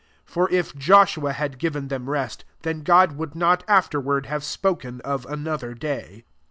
8 For if Joshua* had given them rest, then God would not afterward have spok en of another day.